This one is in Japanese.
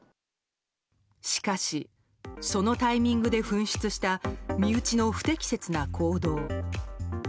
しかしそのタイミングで噴出した身内の不適切な行動。